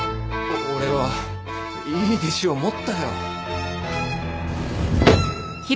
俺はいい弟子を持ったよ